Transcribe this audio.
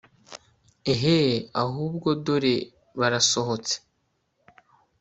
eheee ahubwo dore barasohotse